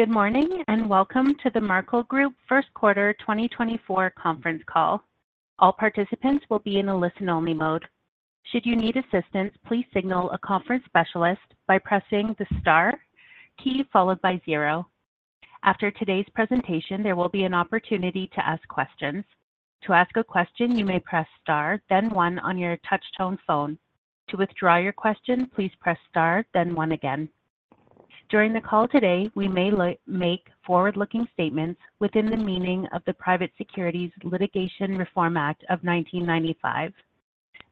Good morning, and welcome to the Markel Group Q1 2024 Conference Call. All participants will be in a listen-only mode. Should you need assistance, please signal a conference specialist by pressing the star key followed by zero. After today's presentation, there will be an opportunity to ask questions. To ask a question, you may press Star, then One on your touchtone phone. To withdraw your question, please press Star, then One again. During the call today, we may make forward-looking statements within the meaning of the Private Securities Litigation Reform Act of 1995.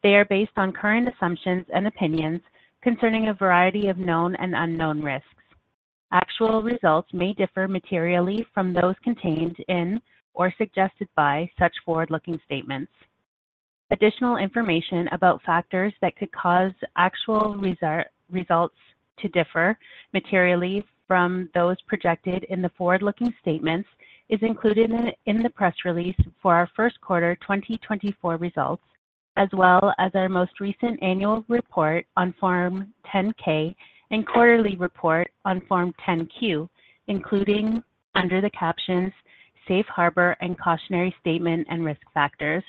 They are based on current assumptions and opinions concerning a variety of known and unknown risks. Actual results may differ materially from those contained in or suggested by such forward-looking statements. Additional information about factors that could cause actual results to differ materially from those projected in the forward-looking statements is included in the press release for our Q1 2024 results, as well as our most recent annual report on Form 10-K and quarterly report on Form 10-Q, including under the captions Safe Harbor and Cautionary Statement and Risk Factors.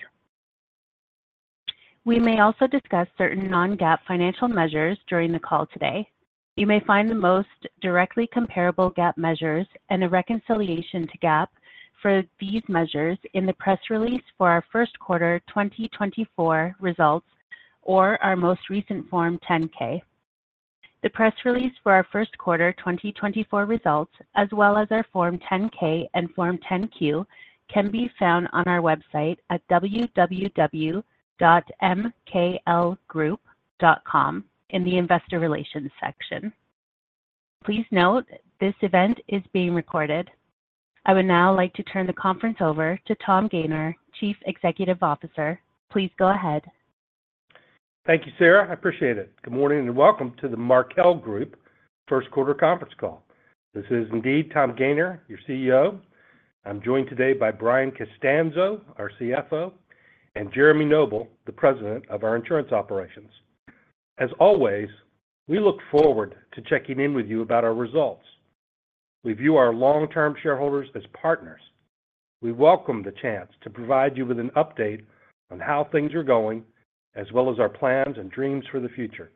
We may also discuss certain non-GAAP financial measures during the call today. You may find the most directly comparable GAAP measures and a reconciliation to GAAP for these measures in the press release for our Q1 2024 results or our most recent Form 10-K. The press release for our Q1 2024 results, as well as our Form 10-K and Form 10-Q, can be found on our website at www.mklgroup.com in the Investor Relations section. Please note, this event is being recorded. I would now like to turn the conference over to Tom Gayner, Chief Executive Officer. Please go ahead. Thank you, Sarah. I appreciate it. Good morning, and welcome to the Markel Group Q1 conference call. This is indeed Tom Gayner, your CEO. I'm joined today by Brian Costanzo, our CFO, and Jeremy Noble, the President of our insurance operations. As always, we look forward to checking in with you about our results. We view our long-term shareholders as partners. We welcome the chance to provide you with an update on how things are going, as well as our plans and dreams for the future.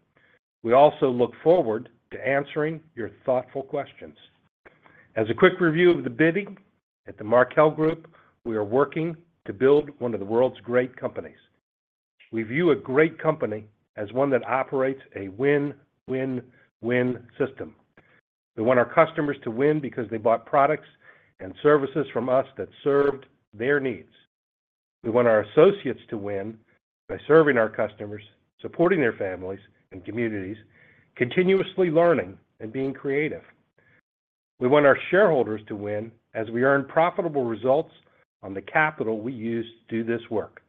We also look forward to answering your thoughtful questions. As a quick review of the bidding, at the Markel Group, we are working to build one of the world's great companies. We view a great company as one that operates a win-win-win system. We want our customers to win because they bought products and services from us that served their needs. We want our associates to win by serving our customers, supporting their families and communities, continuously learning and being creative. We want our shareholders to win as we earn profitable results on the capital we use to do this work.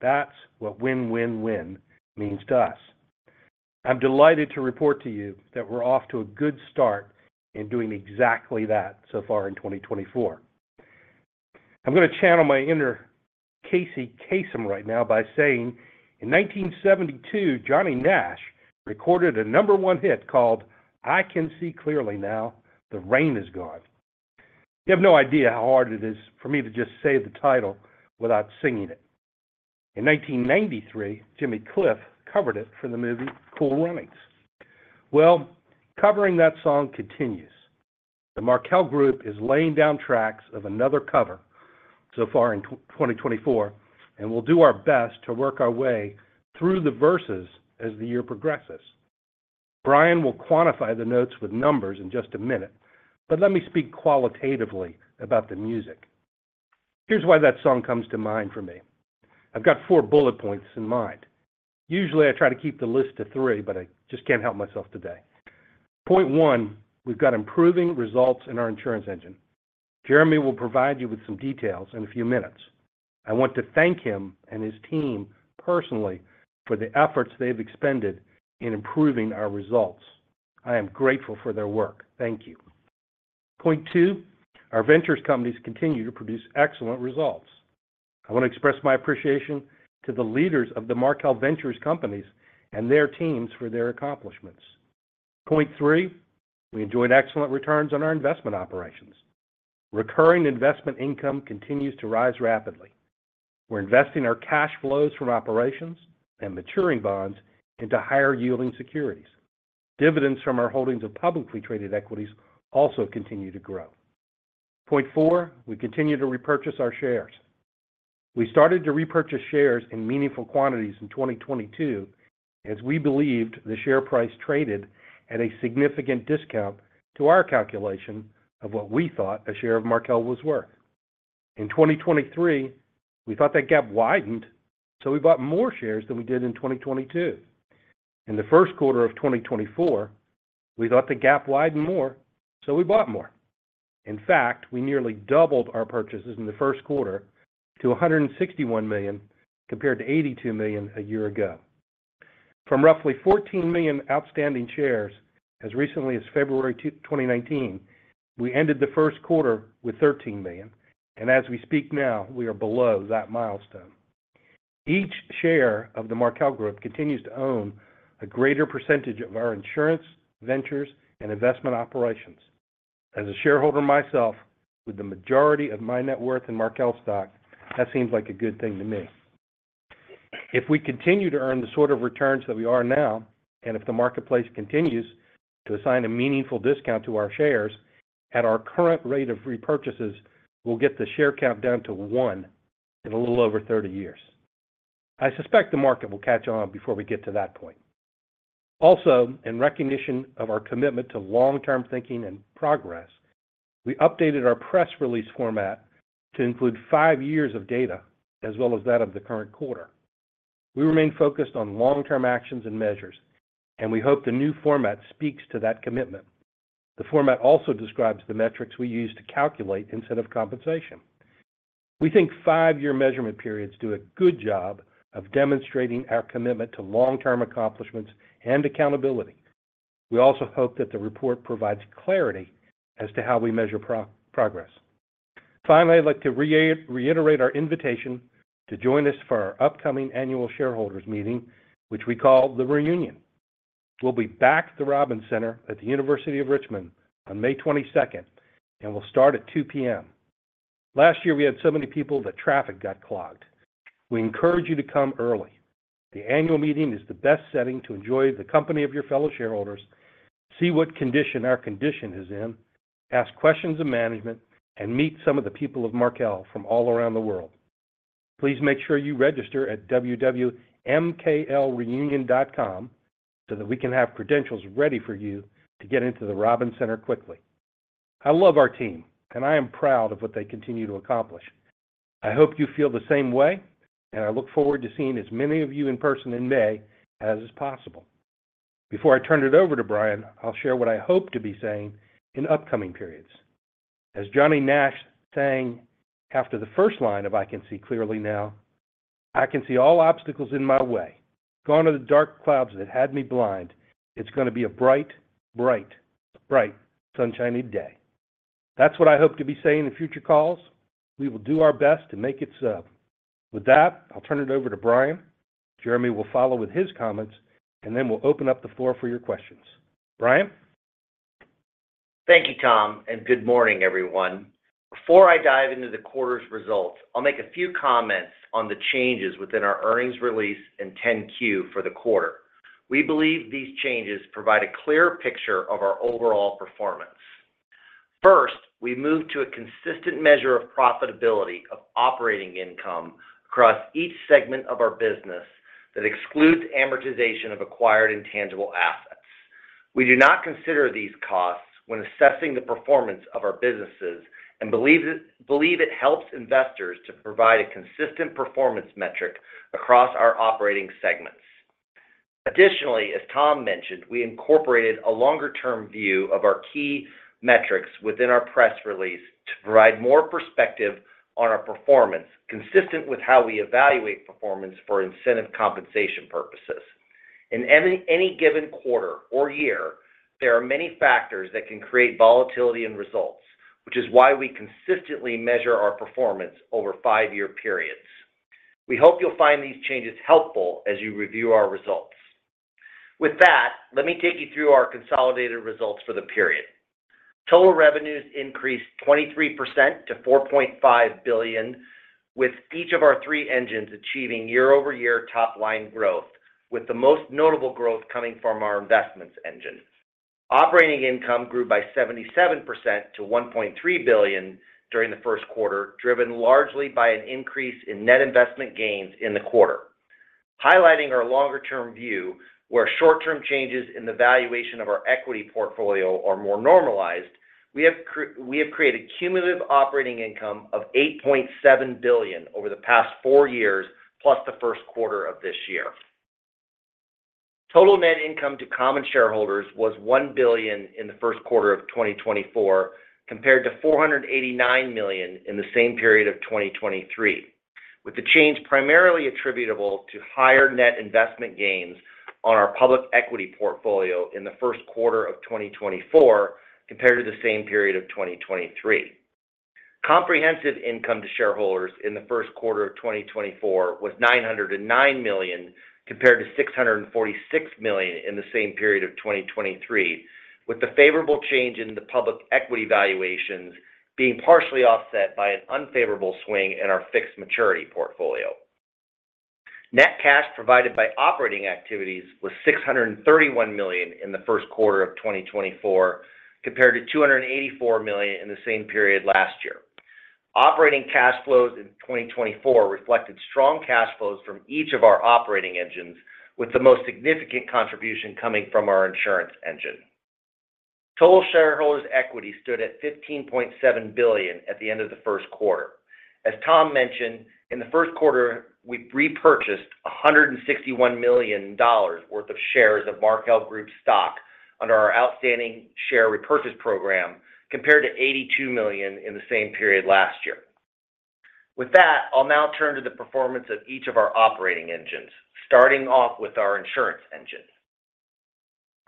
That's what win-win-win means to us. I'm delighted to report to you that we're off to a good start in doing exactly that so far in 2024. I'm going to channel my inner Casey Kasem right now by saying, in 1972, Johnny Nash recorded a number one hit called I Can See Clearly Now, The Rain Is Gone. You have no idea how hard it is for me to just say the title without singing it. In 1993, Jimmy Cliff covered it for the movie Cool Runnings. Well, covering that song continues. The Markel Group is laying down tracks of another cover so far in 2024, and we'll do our best to work our way through the verses as the year progresses. Brian will quantify the notes with numbers in just a minute, but let me speak qualitatively about the music. Here's why that song comes to mind for me. I've got four bullet points in mind. Usually, I try to keep the list to three, but I just can't help myself today. Point one, we've got improving results in our insurance engine. Jeremy will provide you with some details in a few minutes. I want to thank him and his team personally for the efforts they've expended in improving our results. I am grateful for their work. Thank you. Point two, our ventures companies continue to produce excellent results. I want to express my appreciation to the leaders of the Markel Ventures companies and their teams for their accomplishments. Point three, we enjoyed excellent returns on our investment operations. Recurring investment income continues to rise rapidly. We're investing our cash flows from operations and maturing bonds into higher-yielding securities. Dividends from our holdings of publicly traded equities also continue to grow. Point four, we continue to repurchase our shares. We started to repurchase shares in meaningful quantities in 2022, as we believed the share price traded at a significant discount to our calculation of what we thought a share of Markel was worth. In 2023, we thought that gap widened, so we bought more shares than we did in 2022. In the Q1 of 2024, we thought the gap widened more, so we bought more. In fact, we nearly doubled our purchases in the Q1 to $161 million, compared to $82 million a year ago. From roughly 14 million outstanding shares, as recently as 2 February, 2019, we ended the Q1 with 13 million, and as we speak now, we are below that milestone. Each share of the Markel Group continues to own a greater percentage of our insurance, ventures, and investment operations. As a shareholder myself, with the majority of my net worth in Markel stock, that seems like a good thing to me. If we continue to earn the sort of returns that we are now, and if the marketplace continues to assign a meaningful discount to our shares, at our current rate of repurchases, we'll get the share count down to one in a little over 30 years. I suspect the market will catch on before we get to that point. Also, in recognition of our commitment to long-term thinking and progress, we updated our press release format to include five years of data, as well as that of the current quarter. We remain focused on long-term actions and measures, and we hope the new format speaks to that commitment. The format also describes the metrics we use to calculate incentive compensation. We think five-year measurement periods do a good job of demonstrating our commitment to long-term accomplishments and accountability. We also hope that the report provides clarity as to how we measure progress. Finally, I'd like to reiterate our invitation to join us for our upcoming annual shareholders meeting, which we call the Reunion. We'll be back at the Robins Center at the University of Richmond on 22 May, and we'll start at 2:00 P.M. Last year, we had so many people that traffic got clogged. We encourage you to come early. The annual meeting is the best setting to enjoy the company of your fellow shareholders, see what condition our condition is in, ask questions of management, and meet some of the people of Markel from all around the world. Please make sure you register at www.mklreunion.com, so that we can have credentials ready for you to get into the Robins Center quickly. I love our team, and I am proud of what they continue to accomplish. I hope you feel the same way, and I look forward to seeing as many of you in person in May as is possible. Before I turn it over to Brian, I'll share what I hope to be saying in upcoming periods. As Johnny Nash sang after the first line of I Can See Clearly Now, "I can see all obstacles in my way. Gone are the dark clouds that had me blind. It's gonna be a bright, bright, bright, sunshiny day." That's what I hope to be saying in future calls. We will do our best to make it so. With that, I'll turn it over to Brian. Jeremy will follow with his comments, and then we'll open up the floor for your questions. Brian? Thank you, Tom, and good morning, everyone. Before I dive into the quarter's results, I'll make a few comments on the changes within our earnings release in 10-Q for the quarter. We believe these changes provide a clear picture of our overall performance. First, we moved to a consistent measure of profitability of operating income across each segment of our business that excludes amortization of acquired intangible assets. We do not consider these costs when assessing the performance of our businesses and believe it helps investors to provide a consistent performance metric across our operating segments. Additionally, as Tom mentioned, we incorporated a longer-term view of our key metrics within our press release to provide more perspective on our performance, consistent with how we evaluate performance for incentive compensation purposes. In any given quarter or year, there are many factors that can create volatility in results, which is why we consistently measure our performance over five-year periods. We hope you'll find these changes helpful as you review our results. With that, let me take you through our consolidated results for the period. Total revenues increased 23% to $4.5 billion, with each of our three engines achieving year-over-year top-line growth, with the most notable growth coming from our investments engine. Operating income grew by 77% to $1.3 billion during the Q1, driven largely by an increase in net investment gains in the quarter. Highlighting our longer-term view, where short-term changes in the valuation of our equity portfolio are more normalized, we have created cumulative operating income of $8.7 billion over the past four years, plus the Q1 of this year. Total net income to common shareholders was $1 billion in the Q1 of 2024, compared to $489 million in the same period of 2023, with the change primarily attributable to higher net investment gains on our public equity portfolio in the Q1 of 2024, compared to the same period of 2023. Comprehensive income to shareholders in the Q1 of 2024 was $909 million, compared to $646 million in the same period of 2023, with the favorable change in the public equity valuations being partially offset by an unfavorable swing in our fixed maturity portfolio. Net cash provided by operating activities was $631 million in the Q1 of 2024, compared to $284 million in the same period last year. Operating cash flows in 2024 reflected strong cash flows from each of our operating engines, with the most significant contribution coming from our insurance engine. Total shareholders' equity stood at $15.7 billion at the end of the Q1. As Tom mentioned, in the Q1, we repurchased $161 million worth of shares of Markel Group stock under our outstanding share repurchase program, compared to $82 million in the same period last year. With that, I'll now turn to the performance of each of our operating engines, starting off with our insurance engine.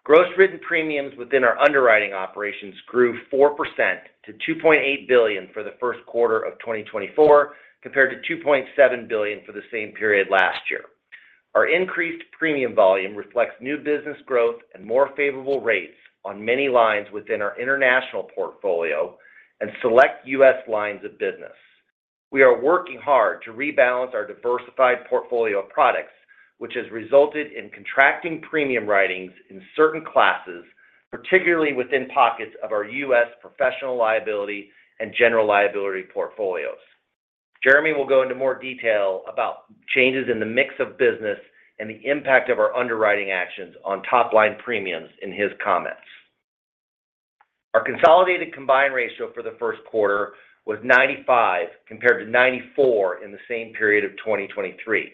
Gross written premiums within our underwriting operations grew 4% to $2.8 billion for the Q1 of 2024, compared to $2.7 billion for the same period last year. Our increased premium volume reflects new business growth and more favorable rates on many lines within our international portfolio and select U.S. lines of business. We are working hard to rebalance our diversified portfolio of products, which has resulted in contracting premium writings in certain classes, particularly within pockets of our U.S. professional liability and general liability portfolios. Jeremy will go into more detail about changes in the mix of business and the impact of our underwriting actions on top-line premiums in his comments. Our consolidated combined ratio for the Q1 was 95%, compared to 94% in the same period of 2023.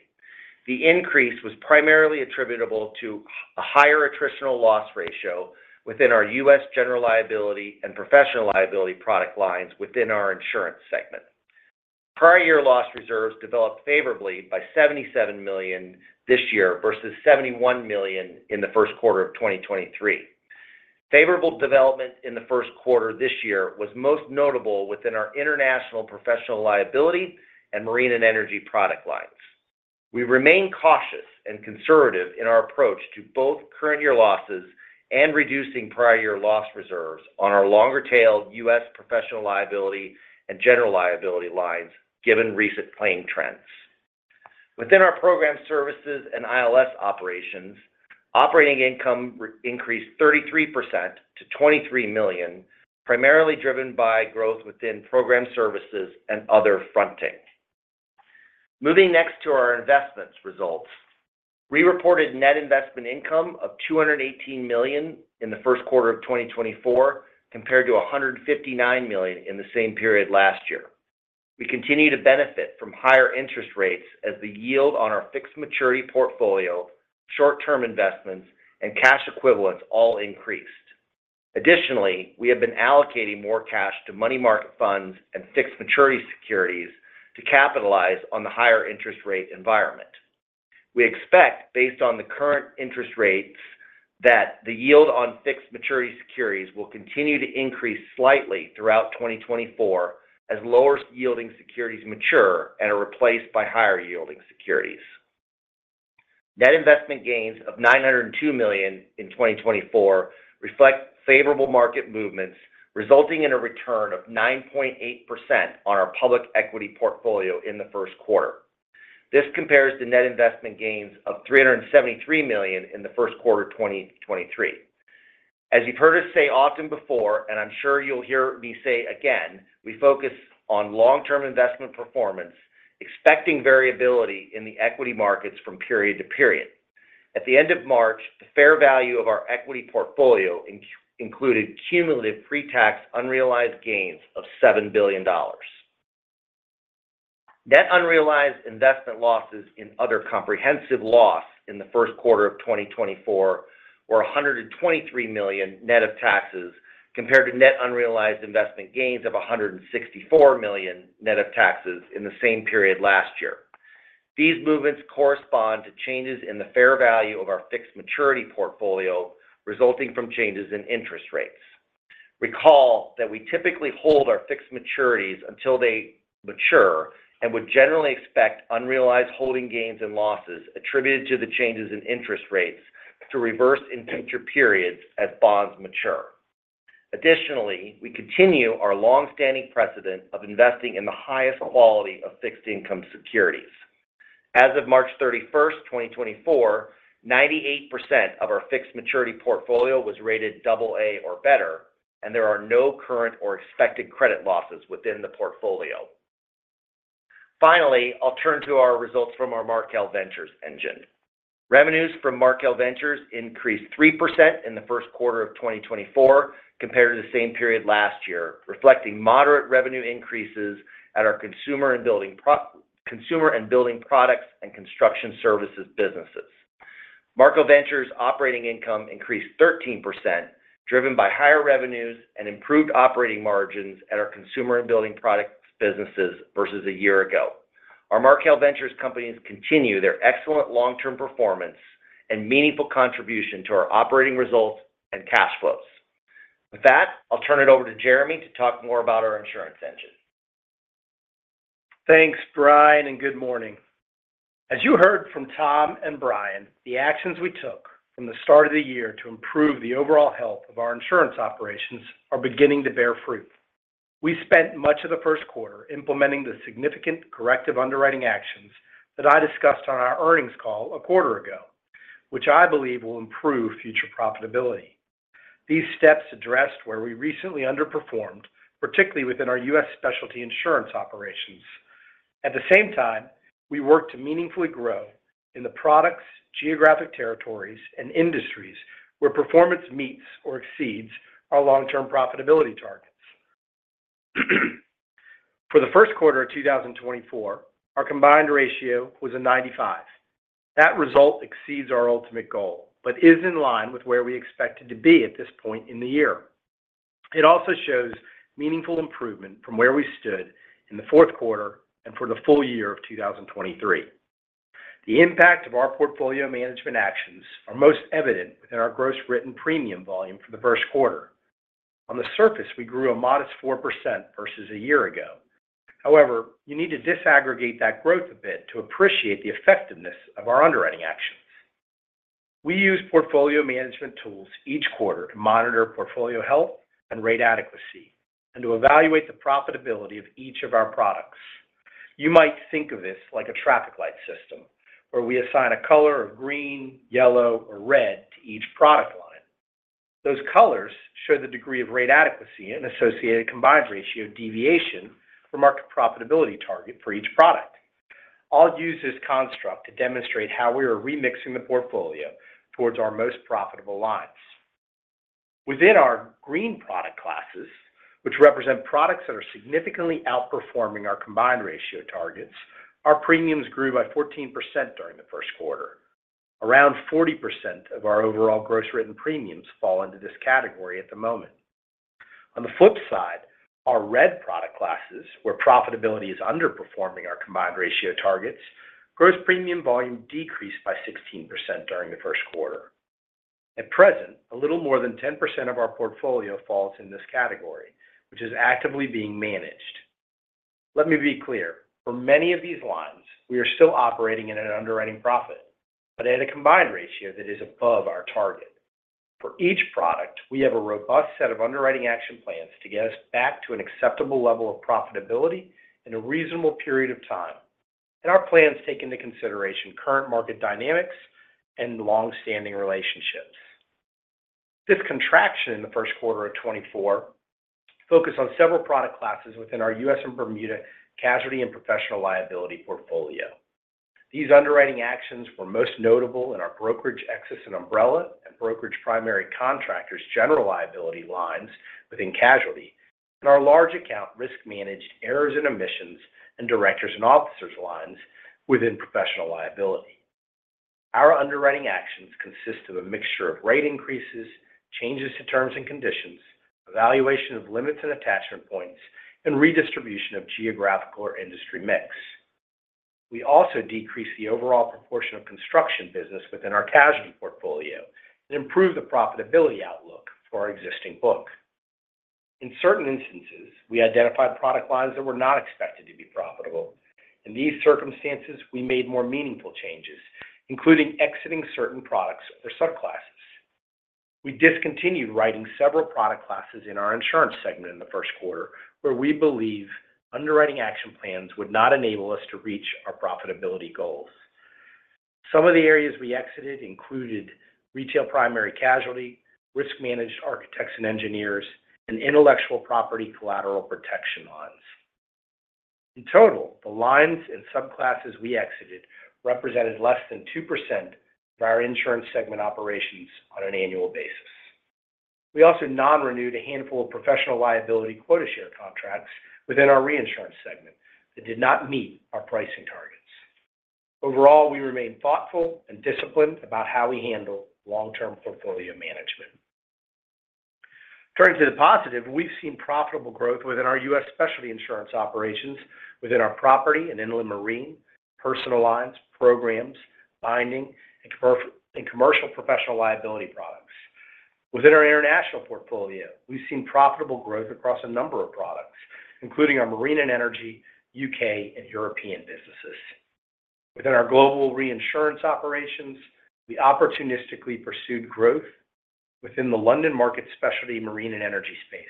The increase was primarily attributable to a higher attritional loss ratio within our U.S. general liability and professional liability product lines within our insurance segment. Prior year loss reserves developed favorably by $77 million this year, versus $71 million in the Q1 of 2023. Favorable development in the Q1 this year was most notable within our international professional liability and marine and energy product lines. We remain cautious and conservative in our approach to both current year losses and reducing prior year loss reserves on our longer-tailed U.S. professional liability and general liability lines, given recent claim trends. Within our program services and ILS operations, operating income increased 33% to $23 million, primarily driven by growth within program services and other fronting. Moving next to our investments results. We reported net investment income of $218 million in the Q1 of 2024, compared to $159 million in the same period last year. We continue to benefit from higher interest rates as the yield on our fixed maturity portfolio, short-term investments, and cash equivalents all increased. Additionally, we have been allocating more cash to money market funds and fixed maturity securities to capitalize on the higher interest rate environment. We expect, based on the current interest rates, that the yield on fixed maturity securities will continue to increase slightly throughout 2024 as lower yielding securities mature and are replaced by higher yielding securities. Net investment gains of $902 million in 2024 reflect favorable market movements, resulting in a return of 9.8% on our public equity portfolio in the Q1. This compares to net investment gains of $373 million in the Q1 of 2023. As you've heard us say often before, and I'm sure you'll hear me say again, we focus on long-term investment performance, expecting variability in the equity markets from period to period. At the end of March, the fair value of our equity portfolio included cumulative pre-tax unrealized gains of $7 billion. Net unrealized investment losses in other comprehensive loss in the Q1 of 2024 were $123 million net of taxes, compared to net unrealized investment gains of $164 million net of taxes in the same period last year. These movements correspond to changes in the fair value of our fixed maturity portfolio, resulting from changes in interest rates. Recall that we typically hold our fixed maturities until they mature and would generally expect unrealized holding gains and losses attributed to the changes in interest rates to reverse in future periods as bonds mature. Additionally, we continue our long-standing precedent of investing in the highest quality of fixed income securities. As of March 31, 2024, 98% of our fixed maturity portfolio was rated AA or better, and there are no current or expected credit losses within the portfolio. Finally, I'll turn to our results from our Markel Ventures engine. Revenues from Markel Ventures increased 3% in the Q1 of 2024 compared to the same period last year, reflecting moderate revenue increases at our consumer and building products and construction services businesses. Markel Ventures operating income increased 13%, driven by higher revenues and improved operating margins at our consumer and building products businesses versus a year ago. Our Markel Ventures companies continue their excellent long-term performance and meaningful contribution to our operating results and cash flows. With that, I'll turn it over to Jeremy to talk more about our insurance engine. Thanks, Brian, and good morning. As you heard from Tom and Brian, the actions we took from the start of the year to improve the overall health of our insurance operations are beginning to bear fruit. We spent much of the Q1 implementing the significant corrective underwriting actions that I discussed on our earnings call a quarter ago, which I believe will improve future profitability. These steps addressed where we recently underperformed, particularly within our U.S. specialty insurance operations. At the same time, we worked to meaningfully grow in the products, geographic territories, and industries where performance meets or exceeds our long-term profitability targets. For the Q1 of 2024, our combined ratio was 95. That result exceeds our ultimate goal, but is in line with where we expected to be at this point in the year... It also shows meaningful improvement from where we stood in the Q4 and for the full year of 2023. The impact of our portfolio management actions are most evident in our gross written premium volume for the Q1. On the surface, we grew a modest 4% versus a year ago. However, you need to disaggregate that growth a bit to appreciate the effectiveness of our underwriting actions. We use portfolio management tools each quarter to monitor portfolio health and rate adequacy, and to evaluate the profitability of each of our products. You might think of this like a traffic light system, where we assign a color of green, yellow, or red to each product line. Those colors show the degree of rate adequacy and associated combined ratio deviation for market profitability target for each product. I'll use this construct to demonstrate how we are remixing the portfolio towards our most profitable lines. Within our green product classes, which represent products that are significantly outperforming our combined ratio targets, our premiums grew by 14% during the Q1. Around 40% of our overall gross written premiums fall into this category at the moment. On the flip side, our red product classes, where profitability is underperforming our combined ratio targets, gross premium volume decreased by 16% during the Q1. At present, a little more than 10% of our portfolio falls in this category, which is actively being managed. Let me be clear, for many of these lines, we are still operating in an underwriting profit, but at a combined ratio that is above our target. For each product, we have a robust set of underwriting action plans to get us back to an acceptable level of profitability in a reasonable period of time, and our plans take into consideration current market dynamics and long-standing relationships. This contraction in the Q1 of 2024 focused on several product classes within our U.S. and Bermuda casualty and professional liability portfolio. These underwriting actions were most notable in our brokerage, excess and umbrella and brokerage primary contractors general liability lines within casualty, and our large account risk-managed errors and omissions, and directors and officers lines within professional liability. Our underwriting actions consist of a mixture of rate increases, changes to terms and conditions, evaluation of limits and attachment points, and redistribution of geographical or industry mix. We also decreased the overall proportion of construction business within our casualty portfolio and improved the profitability outlook for our existing book. In certain instances, we identified product lines that were not expected to be profitable. In these circumstances, we made more meaningful changes, including exiting certain products or subclasses. We discontinued writing several product classes in our insurance segment in the Q1, where we believe underwriting action plans would not enable us to reach our profitability goals. Some of the areas we exited included retail, primary casualty, risk-managed architects and engineers, and intellectual property collateral protection lines. In total, the lines and subclasses we exited represented less than 2% of our insurance segment operations on an annual basis. We also non-renewed a handful of professional liability quota share contracts within our reinsurance segment that did not meet our pricing targets. Overall, we remain thoughtful and disciplined about how we handle long-term portfolio management. Turning to the positive, we've seen profitable growth within our U.S. specialty insurance operations, within our property and inland marine, personal lines, programs, binding, and commercial professional liability products. Within our international portfolio, we've seen profitable growth across a number of products, including our marine and energy, U.K. and European businesses. Within our global reinsurance operations, we opportunistically pursued growth within the London Market specialty marine and energy space.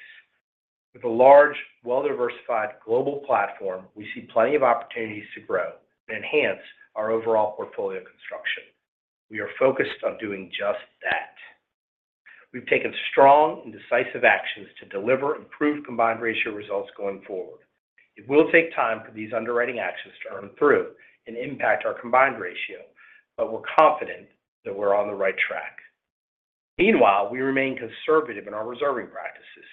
With a large, well-diversified global platform, we see plenty of opportunities to grow and enhance our overall portfolio construction. We are focused on doing just that. We've taken strong and decisive actions to deliver improved combined ratio results going forward. It will take time for these underwriting actions to earn through and impact our combined ratio, but we're confident that we're on the right track. Meanwhile, we remain conservative in our reserving practices,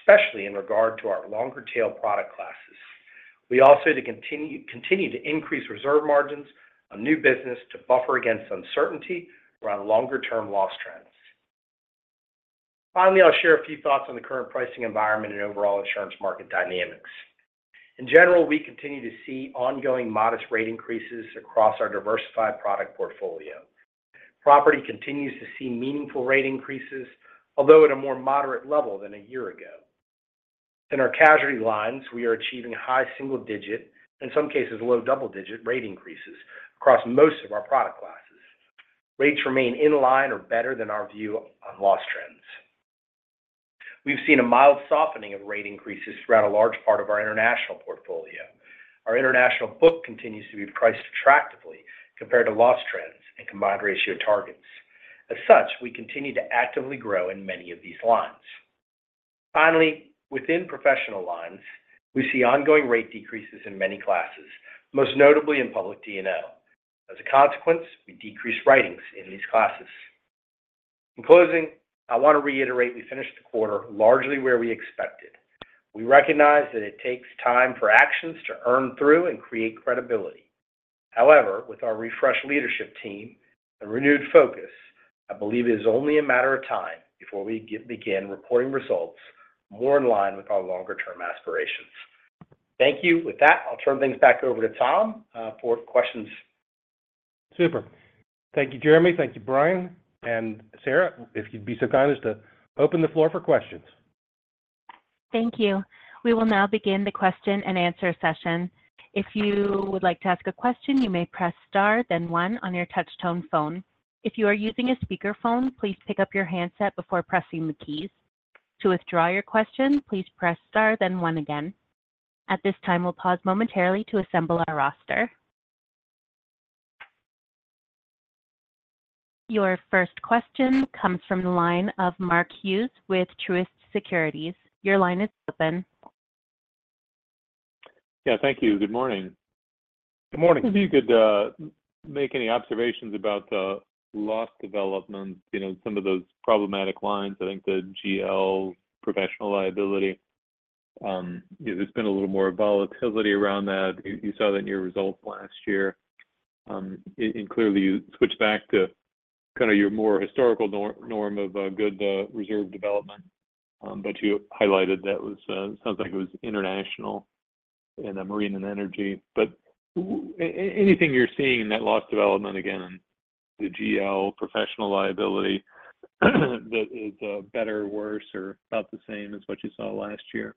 especially in regard to our longer-tail product classes. We also continue to increase reserve margins on new business to buffer against uncertainty around longer-term loss trends. Finally, I'll share a few thoughts on the current pricing environment and overall insurance market dynamics. In general, we continue to see ongoing modest rate increases across our diversified product portfolio. Property continues to see meaningful rate increases, although at a more moderate level than a year ago. In our casualty lines, we are achieving high single digit, in some cases, low double-digit rate increases across most of our product classes. Rates remain in line or better than our view on loss trends. We've seen a mild softening of rate increases throughout a large part of our international portfolio. Our international book continues to be priced attractively compared to loss trends and combined ratio targets. As such, we continue to actively grow in many of these lines. Finally, within professional lines, we see ongoing rate decreases in many classes, most notably in public D&O. As a consequence, we decrease writings in these classes. In closing, I want to reiterate we finished the quarter largely where we expected. We recognize that it takes time for actions to earn through and create credibility. However, with our refreshed leadership team and renewed focus, I believe it is only a matter of time before we begin reporting results more in line with our longer-term aspirations. Thank you. With that, I'll turn things back over to Tom for questions. Super. Thank you, Jeremy. Thank you, Brian. And, Sarah, if you'd be so kind as to open the floor for questions. Thank you. We will now begin the question and answer session. If you would like to ask a question, you may press Star, then One on your touch tone phone. If you are using a speakerphone, please pick up your handset before pressing the keys. To withdraw your question, please press Star then One again. At this time, we'll pause momentarily to assemble our roster. Your first question comes from the line of Mark Hughes with Truist Securities. Your line is open. Yeah, thank you. Good morning. Good morning. If you could make any observations about the loss development, you know, some of those problematic lines, I think the GL professional liability. There's been a little more volatility around that. You saw that in your results last year. And clearly, you switched back to kind of your more historical norm of good reserve development. But you highlighted that was sounds like it was international in a marine and energy. But anything you're seeing in that loss development, again, the GL professional liability, that is better, worse, or about the same as what you saw last year?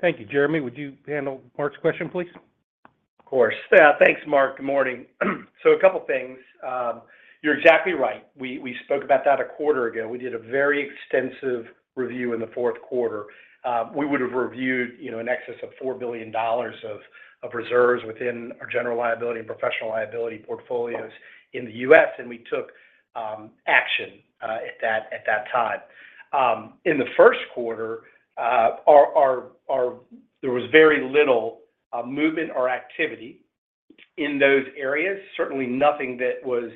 Thank you. Jeremy, would you handle Mark's question, please? Of course. Yeah, thanks, Mark. Good morning. So a couple things. You're exactly right. We spoke about that a quarter ago. We did a very extensive review in the Q4. We would have reviewed, you know, in excess of $4 billion of reserves within our general liability and professional liability portfolios in the U.S., and we took action at that time. In the Q1, there was very little movement or activity in those areas, certainly nothing that was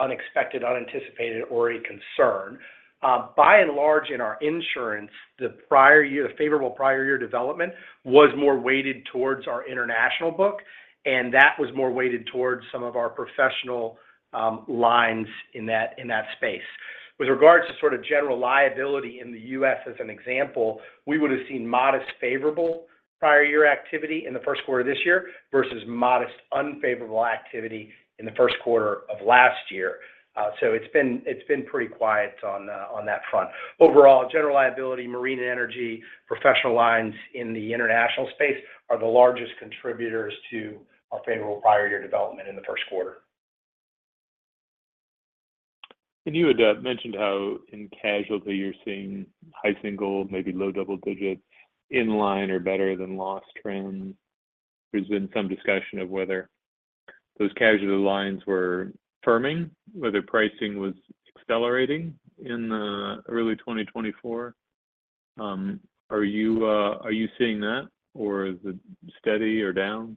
unexpected, unanticipated or a concern. By and large, in our insurance, the prior year, the favorable prior year development was more weighted towards our international book, and that was more weighted towards some of our professional lines in that space. With regards to sort of general liability in the U.S., as an example, we would have seen modest, favorable prior year activity in the Q1 of this year versus modest, unfavorable activity in the Q1 of last year. So it's been, it's been pretty quiet on, on that front. Overall, general liability, marine and energy, professional lines in the international space are the largest contributors to our favorable prior year development in the Q1. You had mentioned how in casualty you're seeing high single, maybe low double digits, in line or better than loss trends. There's been some discussion of whether those casualty lines were firming, whether pricing was accelerating in early 2024. Are you seeing that, or is it steady or down?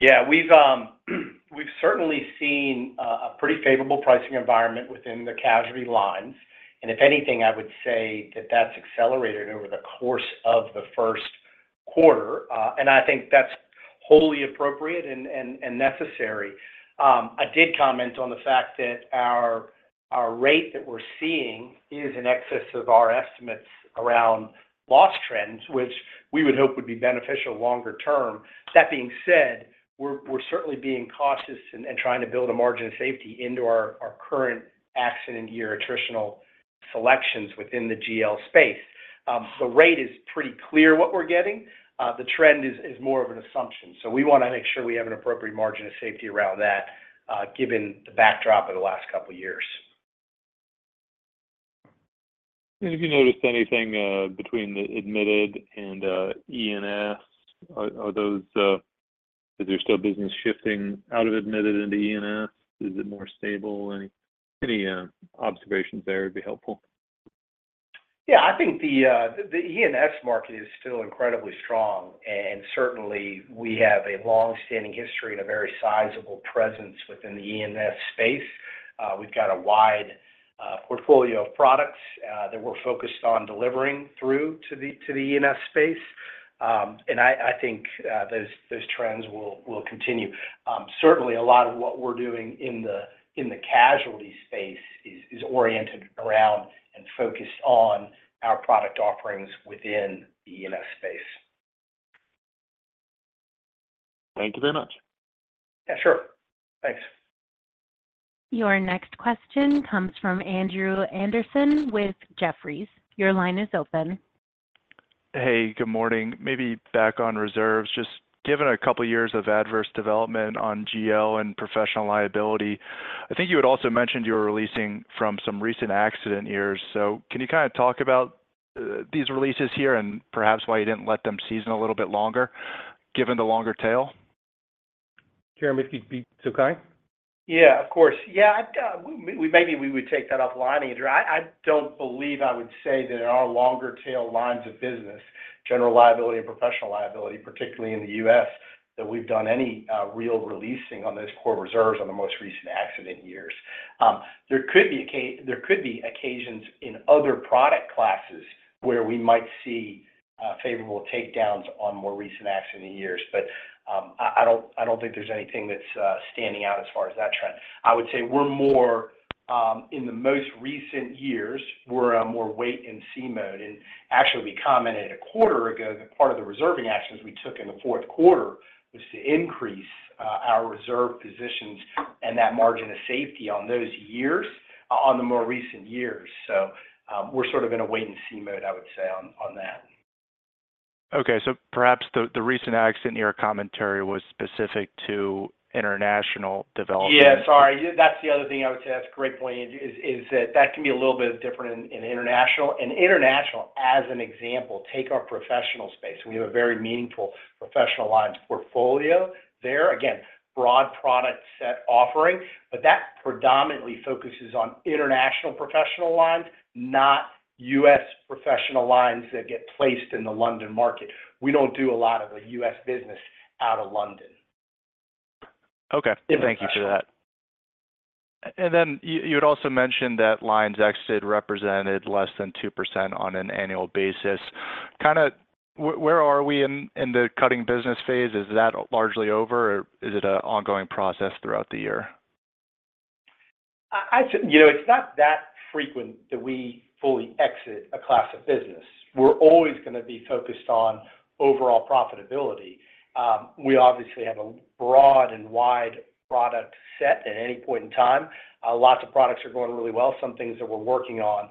Yeah, we've certainly seen a pretty favorable pricing environment within the casualty lines, and if anything, I would say that that's accelerated over the course of the Q1. I think that's wholly appropriate and necessary. I did comment on the fact that our rate that we're seeing is in excess of our estimates around loss trends, which we would hope would be beneficial longer term. That being said, we're certainly being cautious and trying to build a margin of safety into our current accident year attritional selections within the GL space. The rate is pretty clear what we're getting. The trend is more of an assumption. So we want to make sure we have an appropriate margin of safety around that, given the backdrop of the last couple of years. Have you noticed anything between the admitted and E&S? Are those...? Is there still business shifting out of admitted into E&S? Is it more stable? Any observations there would be helpful. Yeah, I think the E&S market is still incredibly strong, and certainly, we have a long-standing history and a very sizable presence within the E&S space. We've got a wide portfolio of products that we're focused on delivering through to the E&S space. And I think those trends will continue. Certainly, a lot of what we're doing in the casualty space is oriented around and focused on our product offerings within the E&S space. Thank you very much. Yeah, sure. Thanks. Your next question comes from Andrew Andersen with Jefferies. Your line is open. Hey, good morning. Maybe back on reserves. Just given a couple of years of adverse development on GL and professional liability, I think you had also mentioned you were releasing from some recent accident years. So can you kind of talk about, these releases here and perhaps why you didn't let them season a little bit longer, given the longer tail? Jeremy, if you'd be so kind? Yeah, of course. Yeah, I'd maybe we would take that offline, Andrew. I don't believe I would say that in our longer tail lines of business, general liability and professional liability, particularly in the U.S., that we've done any real releasing on those core reserves on the most recent accident years. There could be occasions in other product classes where we might see favorable takedowns on more recent accident years. But I don't think there's anything that's standing out as far as that trend. I would say we're more in the most recent years, we're a more wait-and-see mode. And actually, we commented a quarter ago that part of the reserving actions we took in the Q4 was to increase our reserve positions and that margin of safety on those years, on the more recent years. So, we're sort of in a wait-and-see mode, I would say, on that. Okay. So perhaps the recent accident year commentary was specific to international development? Yeah, sorry. That's the other thing I would say, that's a great point, is that that can be a little bit different in international. In international, as an example, take our professional space. We have a very meaningful professional lines portfolio there. Again, broad product set offering, but that predominantly focuses on international professional lines, not U.S. professional lines that get placed in the London Market. We don't do a lot of the U.S. business out of London. Okay. Thank you for that. And then you had also mentioned that lines exited represented less than 2% on an annual basis. Kinda where are we in the cutting business phase? Is that largely over, or is it an ongoing process throughout the year? You know, it's not that frequent that we fully exit a class of business. We're always going to be focused on overall profitability. We obviously have a broad and wide product set at any point in time. Lots of products are going really well, some things that we're working on.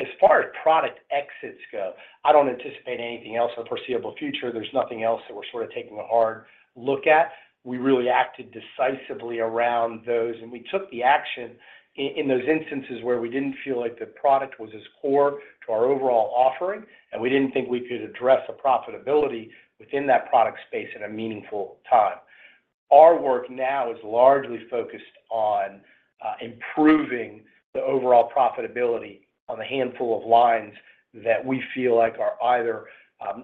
As far as product exits go, I don't anticipate anything else in the foreseeable future. There's nothing else that we're sort of taking a hard look at. We really acted decisively around those, and we took the action in those instances where we didn't feel like the product was as core to our overall offering, and we didn't think we could address the profitability within that product space in a meaningful time. Our work now is largely focused on improving the overall profitability on the handful of lines that we feel like are either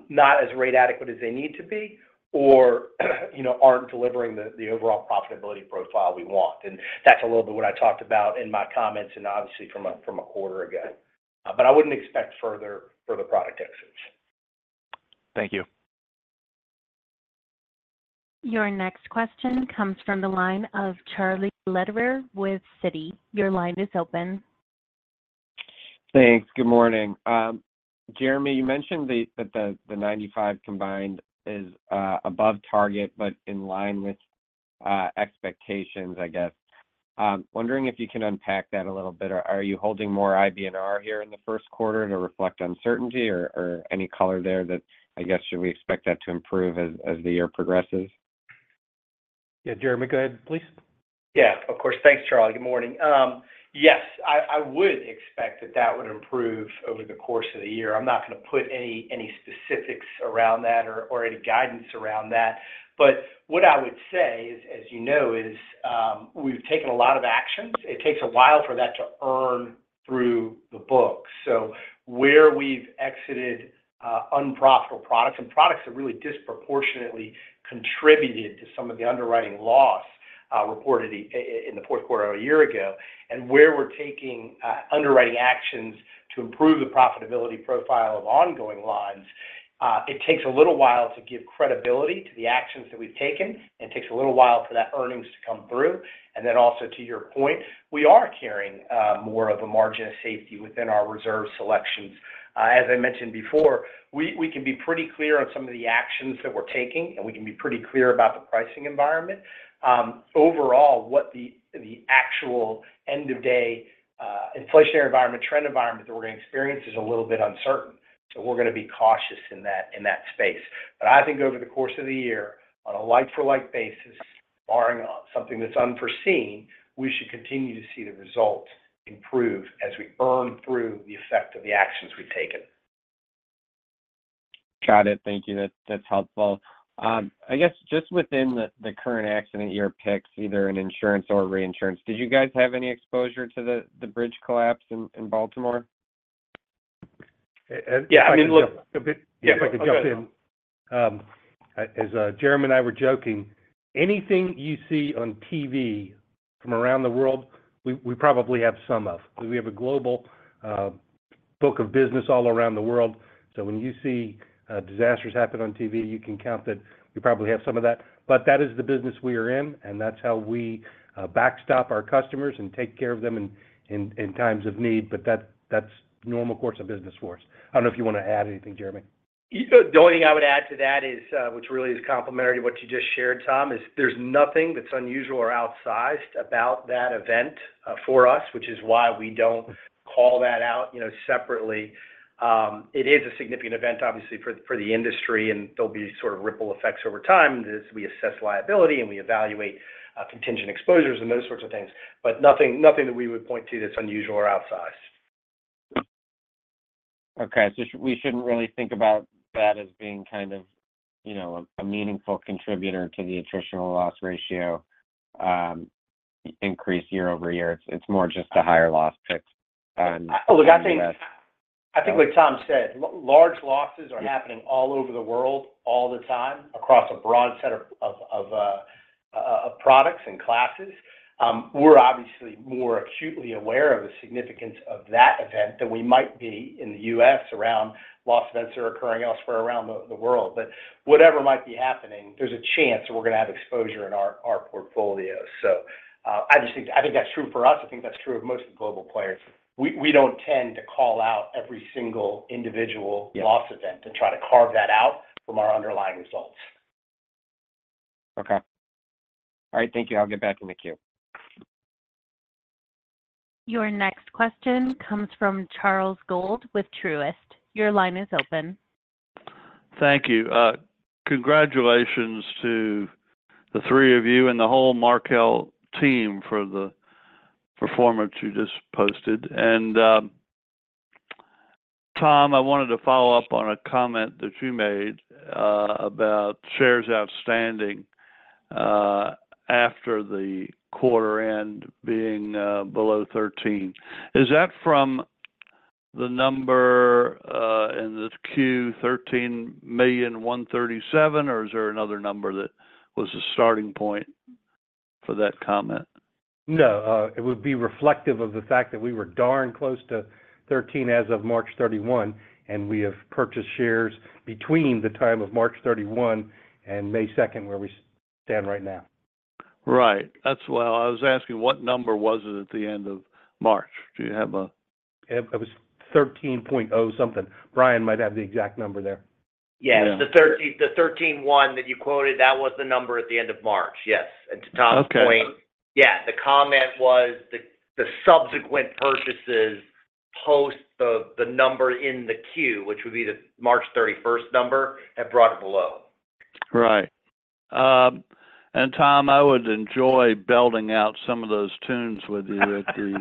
not as rate adequate as they need to be, or, you know, aren't delivering the overall profitability profile we want. And that's a little bit what I talked about in my comments, and obviously from a quarter ago. But I wouldn't expect further product exits. Thank you. Your next question comes from the line of Charles Lederer with Citi. Your line is open. Thanks. Good morning. Jeremy, you mentioned that the 95 combined is above target, but in line with expectations, I guess. Wondering if you can unpack that a little bit. Are you holding more IBNR here in the Q1 to reflect uncertainty or any color there that I guess should we expect that to improve as the year progresses? Yeah, Jeremy, go ahead, please. Yeah, of course. Thanks, Charlie. Good morning. Yes, I would expect that that would improve over the course of the year. I'm not going to put any specifics around that or any guidance around that. But what I would say is, as you know, we've taken a lot of actions. It takes a while for that to earn through the books. So where we've exited unprofitable products, and products have really disproportionately contributed to some of the underwriting loss reported in the Q4 a year ago, and where we're taking underwriting actions to improve the profitability profile of ongoing lines, it takes a little while to give credibility to the actions that we've taken, and it takes a little while for that earnings to come through. Then also to your point, we are carrying more of a margin of safety within our reserve selections. As I mentioned before, we can be pretty clear on some of the actions that we're taking, and we can be pretty clear about the pricing environment. Overall, what the actual end-of-day inflationary environment, trend environment that we're going to experience is a little bit uncertain, so we're going to be cautious in that space. But I think over the course of the year, on a like-for-like basis, barring something that's unforeseen, we should continue to see the results improve as we burn through the effect of the actions we've taken. Got it. Thank you. That's, that's helpful. I guess just within the current accident year picks, either in insurance or reinsurance, did you guys have any exposure to the bridge collapse in Baltimore? Yeah, I mean- Yeah. If I could jump in. As Jeremy and I were joking, anything you see on TV from around the world, we probably have some of. We have a global book of business all around the world, so when you see disasters happen on TV, you can count that we probably have some of that. But that is the business we are in, and that's how we backstop our customers and take care of them in times of need. But that's normal course of business for us. I don't know if you want to add anything, Jeremy. The only thing I would add to that is, which really is complementary to what you just shared, Tom, is there's nothing that's unusual or outsized about that event, for us, which is why we don't call that out, you know, separately. It is a significant event, obviously, for, for the industry, and there'll be sort of ripple effects over time as we assess liability and we evaluate, contingent exposures and those sorts of things, but nothing, nothing that we would point to that's unusual or outsized. Okay. So we shouldn't really think about that as being kind of, you know, a meaningful contributor to the attritional loss ratio increase year-over-year. It's, it's more just a higher loss pick on- Look, I think what Tom said, large losses are happening all over the world, all the time, across a broad set of products and classes. We're obviously more acutely aware of the significance of that event than we might be in the U.S. around loss events that are occurring elsewhere around the world. But whatever might be happening, there's a chance that we're gonna have exposure in our portfolio. So, I just think I think that's true for us, I think that's true of most of the global players. We don't tend to call out every single individual- Yeah loss event to try to carve that out from our underlying results. Okay. All right, thank you. I'll get back in the queue. Your next question comes from Charles Gold. Your line is open. Thank you. Congratulations to the three of you and the whole Markel team for the performance you just posted. And, Tom, I wanted to follow up on a comment that you made about shares outstanding after the quarter end being below 13. Is that from the number in this Q, 13 million 137, or is there another number that was the starting point for that comment? No, it would be reflective of the fact that we were darn close to 13 as of March 31, and we have purchased shares between the time of 31 March and 2 May, where we stand right now. Right. That's why I was asking, what number was it at the end of March? Do you have a- It was 13.0 something. Brian might have the exact number there. Yeah. Yeah. The 13, the 13 one that you quoted, that was the number at the end of March. Yes. And to Tom's point- Okay. Yeah, the comment was the subsequent purchases post the number in the Q, which would be the 31 March number, have brought it below. Right. And Tom, I would enjoy belting out some of those tunes with you at the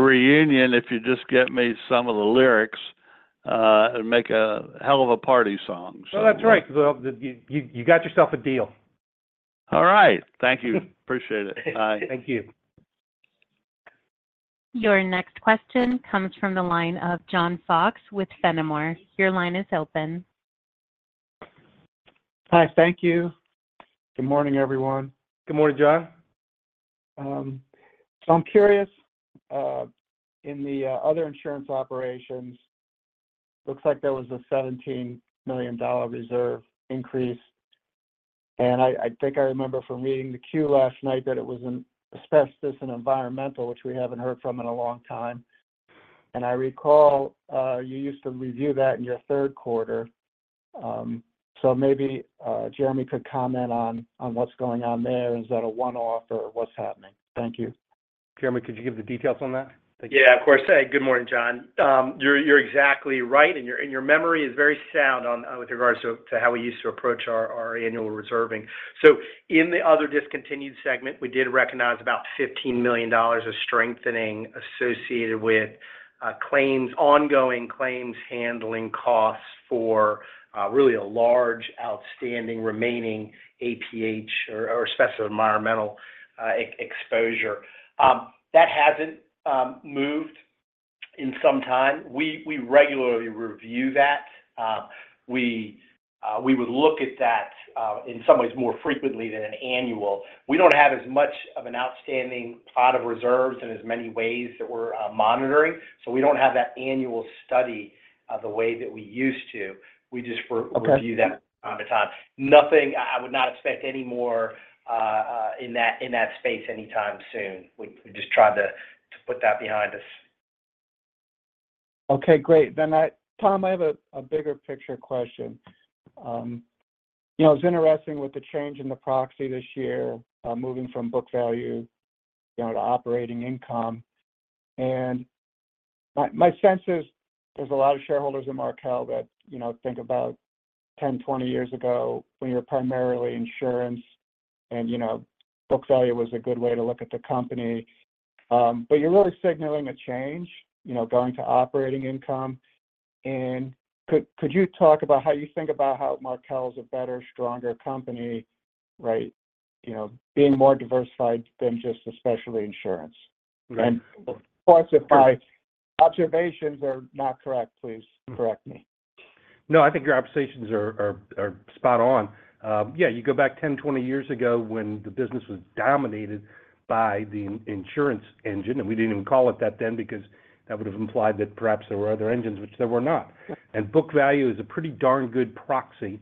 reunion if you just get me some of the lyrics. It'd make a hell of a party song, so- Oh, that's right. Well, you got yourself a deal. All right. Thank you. Appreciate it. Bye. Thank you. Your next question comes from the line of John Fox with Fenimore. Your line is open. Hi, thank you. Good morning, everyone. Good morning, John. So I'm curious, in the other insurance operations, looks like there was a $17 million reserve increase. And I think I remember from reading the Q last night that it was in asbestos and environmental, which we haven't heard from in a long time. And I recall, you used to review that in your Q3. So maybe, Jeremy could comment on what's going on there. Is that a one-off or what's happening? Thank you. Jeremy, could you give the details on that? Yeah, of course. Hey, good morning, John. You're exactly right, and your memory is very sound on with regards to how we used to approach our annual reserving. So in the other discontinued segment, we did recognize about $15 million of strengthening associated with claims, ongoing claims handling costs for really a large outstanding remaining APH or specific environmental exposure. That hasn't moved in some time. We regularly review that. We would look at that in some ways more frequently than an annual. We don't have as much of an outstanding pot of reserves in as many ways that we're monitoring, so we don't have that annual study the way that we used to. We just re- Okay... review that from time to time. Nothing... I would not expect any more in that space anytime soon. We just tried to put that behind us. Okay, great. Then, Tom, I have a bigger picture question. You know, it's interesting with the change in the proxy this year, moving from book value, you know, to operating income. And my sense is there's a lot of shareholders in Markel that, you know, think about 10, 20 years ago, when you were primarily insurance, and, you know, book value was a good way to look at the company. But you're really signaling a change, you know, going to operating income. And could you talk about how you think about how Markel is a better, stronger company, right, you know, being more diversified than just a specialty insurance? Right. Of course, if my observations are not correct, please correct me. No, I think your observations are spot on. Yeah, you go back 10, 20 years ago when the business was dominated by the insurance engine, and we didn't even call it that then because that would have implied that perhaps there were other engines, which there were not. Right. Book value is a pretty darn good proxy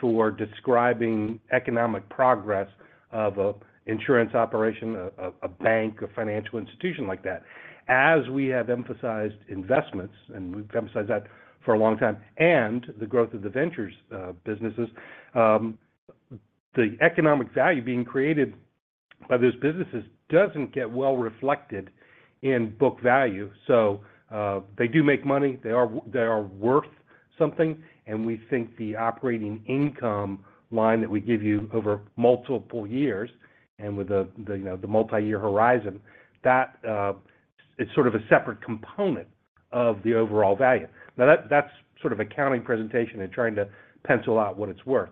for describing economic progress of an insurance operation, a bank, a financial institution like that. As we have emphasized investments, and we've emphasized that for a long time, and the growth of the ventures businesses, the economic value being created by those businesses doesn't get well reflected in book value. So, they do make money, they are worth something, and we think the operating income line that we give you over multiple years, and with the you know, the multi-year horizon, that it's sort of a separate component of the overall value. Now, that's sort of accounting presentation and trying to pencil out what it's worth.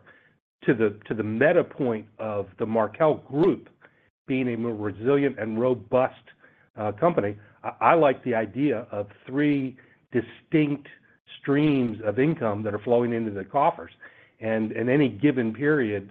To the meta point of the Markel Group being a more resilient and robust company, I, I like the idea of three distinct streams of income that are flowing into the coffers. And in any given period,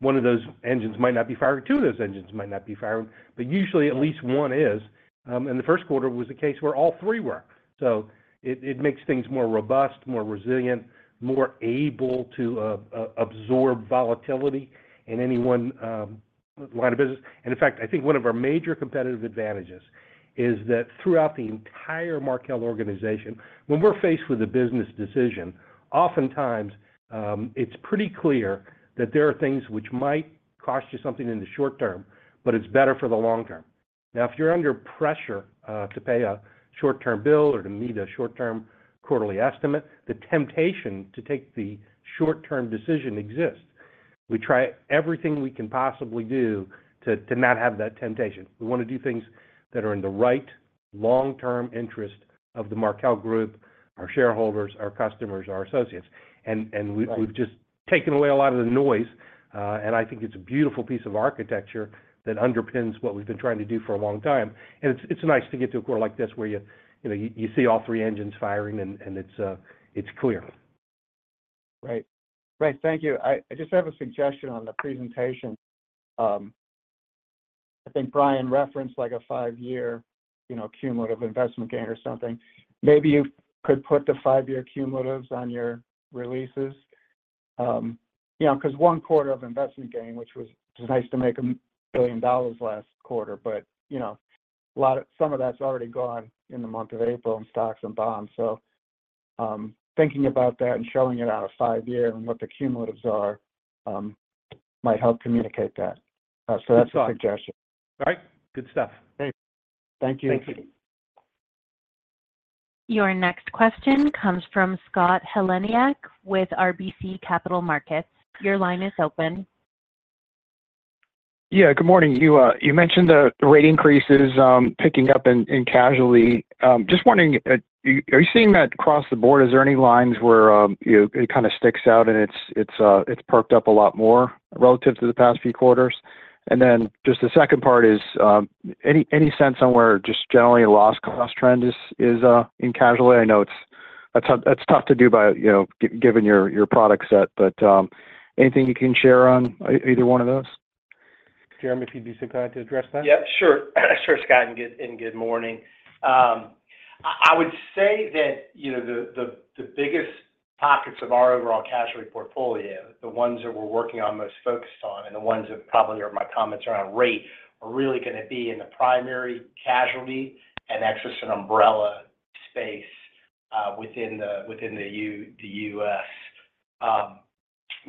one of those engines might not be firing, two of those engines might not be firing, but usually at least one is. And the Q1 was a case where all three were. So it, it makes things more robust, more resilient, more able to absorb volatility in any one line of business. And in fact, I think one of our major competitive advantages is that throughout the entire Markel organization, when we're faced with a business decision, oftentimes it's pretty clear that there are things which might cost you something in the short term, but it's better for the long term. Now, if you're under pressure to pay a short-term bill or to meet a short-term quarterly estimate, the temptation to take the short-term decision exists. We try everything we can possibly do to not have that temptation. We want to do things that are in the right long-term interest of the Markel Group, our shareholders, our customers, our associates. And we've just taken away a lot of the noise, and I think it's a beautiful piece of architecture that underpins what we've been trying to do for a long time. And it's nice to get to a quarter like this, where you know you see all three engines firing, and it's clear. Great. Great, thank you. I just have a suggestion on the presentation. I think Brian referenced, like, a five-year, you know, cumulative investment gain or something. Maybe you could put the five-year cumulatives on your releases. You know, 'cause one quarter of investment gain, which was just nice to make $1 billion last quarter, but, you know, a lot of some of that's already gone in the month of April in stocks and bonds. So, thinking about that and showing it out of five year and what the cumulatives are, might help communicate that. So that's a suggestion. All right. Good stuff. Thanks. Thank you. Thank you. Your next question comes from Scott Heleniak with RBC Capital Markets. Your line is open. Yeah, good morning. You mentioned the rate increases picking up in casualty. Just wondering, are you seeing that across the board? Is there any lines where it kind of sticks out, and it's perked up a lot more relative to the past few quarters? And then just the second part is, any sense on where just generally a loss cost trend is in casualty? I know it's, that's tough to do, you know, given your product set, but, anything you can share on either one of those? Jeremy, if you'd be so kind to address that? Yeah, sure. Sure, Scott, and good morning. I would say that, you know, the biggest pockets of our overall casualty portfolio, the ones that we're working on, most focused on, and the ones that probably are my comments around rate, are really gonna be in the primary casualty and excess and umbrella space, within the U.S. You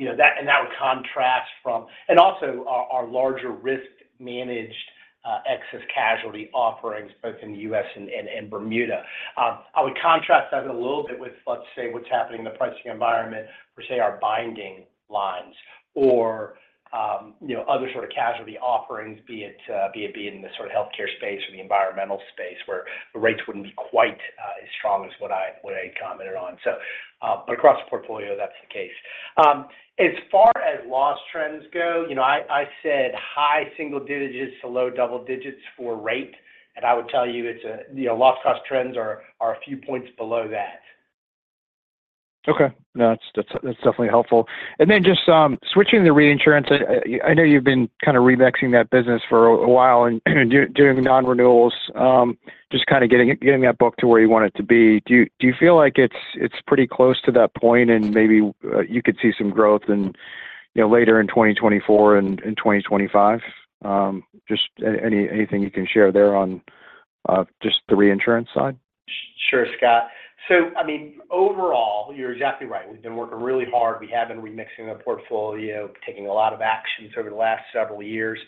know, that would contrast from... And also our larger risk-managed excess casualty offerings both in the U.S. and Bermuda. I would contrast that a little bit with, let's say, what's happening in the pricing environment for, say, our binding lines or, you know, other sort of casualty offerings, be it in the sort of healthcare space or the environmental space, where the rates wouldn't be quite as strong as what I commented on. So, but across the portfolio, that's the case. As far as loss trends go, you know, I said high single digits to low double digits for rate, and I would tell you it's, you know, loss cost trends are a few points below that. Okay. No, that's definitely helpful. And then just switching to reinsurance, I know you've been kind of remixing that business for a while and doing non-renewals, just kind of getting it getting that book to where you want it to be. Do you feel like it's pretty close to that point, and maybe you could see some growth in, you know, later in 2024 and in 2025? Just anything you can share there on just the reinsurance side? Sure, Scott. So I mean, overall, you're exactly right. We've been working really hard. We have been remixing the portfolio, taking a lot of actions over the last several years.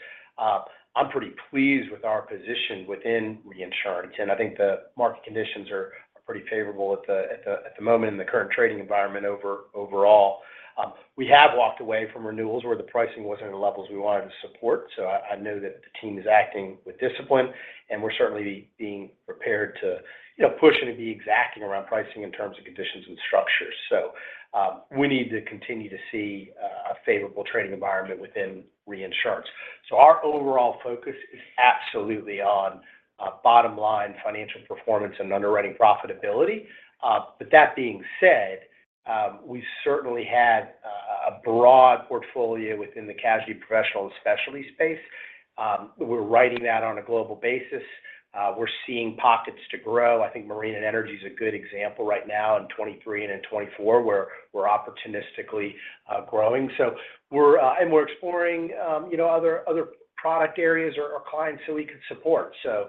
I'm pretty pleased with our position within reinsurance, and I think the market conditions are pretty favorable at the moment in the current trading environment overall. We have walked away from renewals where the pricing wasn't at the levels we wanted to support, so I know that the team is acting with discipline, and we're certainly being prepared to, you know, push and be exacting around pricing in terms of conditions and structures. So we need to continue to see a favorable trading environment within reinsurance. So our overall focus is absolutely on bottom line financial performance and underwriting profitability. But that being said, we've certainly had a broad portfolio within the casualty, professional, and specialty space. We're writing that on a global basis. We're seeing pockets to grow. I think marine and energy is a good example right now in 2023 and in 2024, where we're opportunistically growing. So we're, and we're exploring, you know, other product areas or clients that we can support. So,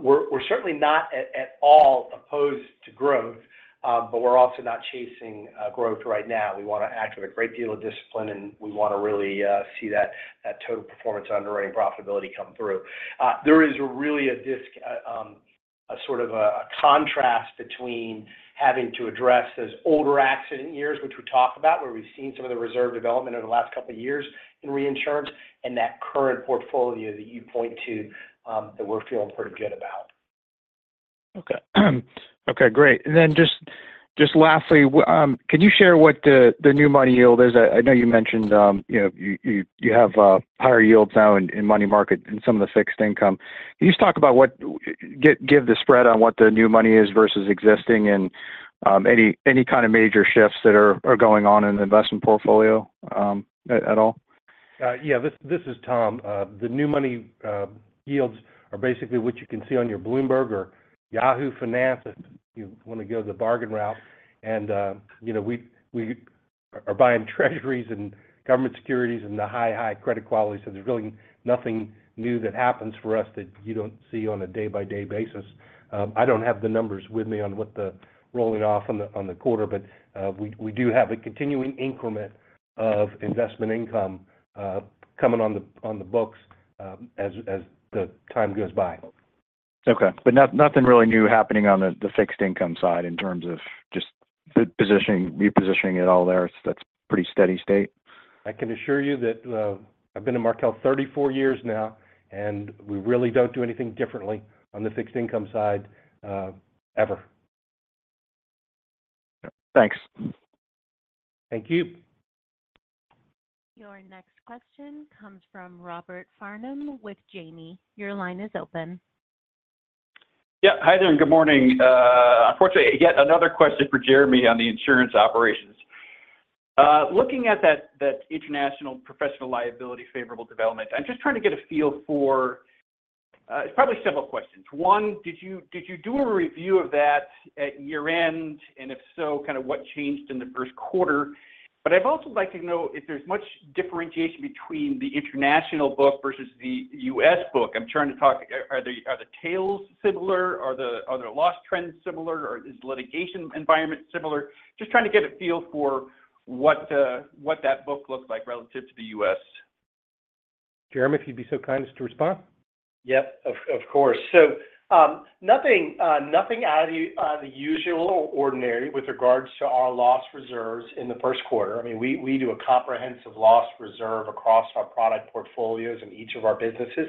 we're certainly not at all opposed to growth, but we're also not chasing growth right now. We want to act with a great deal of discipline, and we want to really see that total performance underwriting profitability come through. There is really a contrast between having to address those older accident years, which we talked about, where we've seen some of the reserve development over the last couple of years in reinsurance, and that current portfolio that you point to, that we're feeling pretty good about.... Okay. Okay, great. And then just, just lastly, can you share what the new money yield is? I know you mentioned, you know, you have higher yields now in money market and some of the fixed income. Can you just talk about give the spread on what the new money is versus existing and any kind of major shifts that are going on in the investment portfolio at all? Yeah, this, this is Tom. The new money yields are basically what you can see on your Bloomberg or Yahoo Finance, if you want to go the bargain route. And, you know, we are buying treasuries and government securities in the high, high credit quality, so there's really nothing new that happens for us that you don't see on a day-by-day basis. I don't have the numbers with me on what the rolling off on the quarter, but, we do have a continuing increment of investment income, coming on the books, as the time goes by. Okay. But nothing really new happening on the fixed income side in terms of just the positioning, repositioning it all there. That's pretty steady state? I can assure you that, I've been in Markel 34 years now, and we really don't do anything differently on the fixed income side, ever. Thanks. Thank you. Your next question comes from Robert Farnam with Janney Montgomery Scott. Your line is open. Yeah. Hi there, and good morning. Unfortunately, yet another question for Jeremy on the insurance operations. Looking at that international professional liability favorable development, I'm just trying to get a feel for... It's probably several questions. One, did you do a review of that at year-end? And if so, kind of what changed in the Q1? But I'd also like to know if there's much differentiation between the international book versus the U.S. book. Are the tails similar? Are the loss trends similar, or is litigation environment similar? Just trying to get a feel for what that book looks like relative to the U.S. Jeremy, if you'd be so kind as to respond. Yep, of course. So, nothing out of the ordinary with regards to our loss reserves in the Q1. I mean, we do a comprehensive loss reserve across our product portfolios in each of our businesses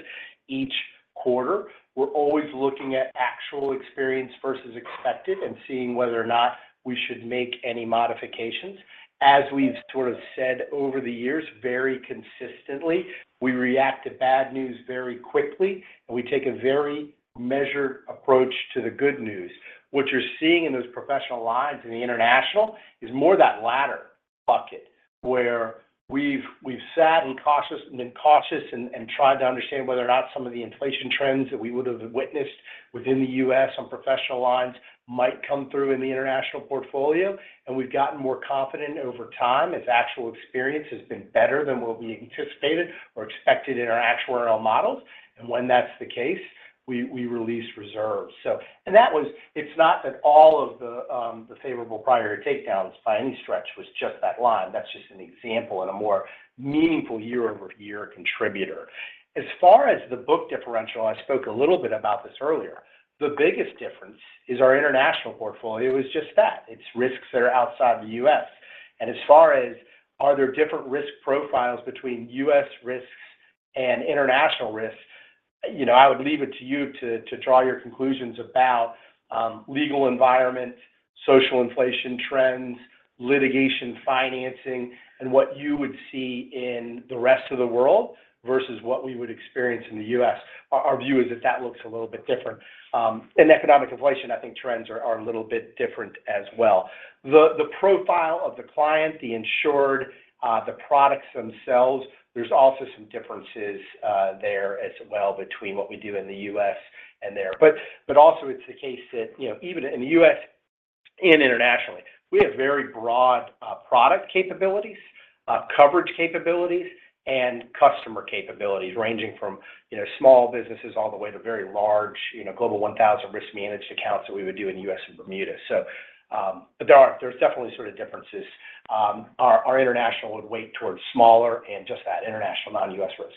each quarter. We're always looking at actual experience versus expected and seeing whether or not we should make any modifications. As we've sort of said over the years, very consistently, we react to bad news very quickly, and we take a very measured approach to the good news. What you're seeing in those professional lines in the international is more of that latter bucket, where we've been cautious and tried to understand whether or not some of the inflation trends that we would have witnessed within the U.S. on professional lines might come through in the international portfolio, and we've gotten more confident over time as actual experience has been better than what we anticipated or expected in our actuarial models. And when that's the case, we release reserves. So, it's not that all of the favorable prior takedowns by any stretch was just that line. That's just an example and a more meaningful year-over-year contributor. As far as the book differential, I spoke a little bit about this earlier, the biggest difference is our international portfolio is just that. It's risks that are outside the U.S. And as far as are there different risk profiles between U.S. risks and international risks, you know, I would leave it to you to draw your conclusions about legal environment, social inflation trends, litigation financing, and what you would see in the rest of the world versus what we would experience in the U.S. Our view is that that looks a little bit different. In economic inflation, I think trends are a little bit different as well. The profile of the client, the insured, the products themselves, there's also some differences there as well between what we do in the U.S. and there. But also it's the case that, you know, even in the U.S. and internationally, we have very broad product capabilities, coverage capabilities, and customer capabilities, ranging from, you know, small businesses all the way to very large, you know, Global One Thousand risk managed accounts that we would do in U.S. and Bermuda. So, but there are definitely sort of differences. Our international would weigh towards smaller and just that international, non-U.S. risk.